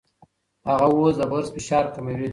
هغه اوس د برس فشار کموي.